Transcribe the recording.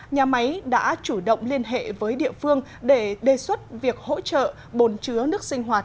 nhà máy đã chủ động liên hệ với địa phương để đề xuất việc hỗ trợ bồn chứa nước sinh hoạt